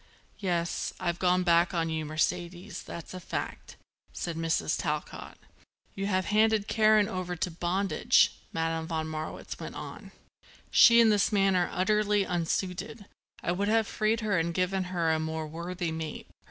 "Yes, I've gone back on you, Mercedes, that's a fact," said Mrs. Talcott. "You have handed Karen over to bondage," Madame von Marwitz went on. "She and this man are utterly unsuited. I would have freed her and given her to a more worthy mate."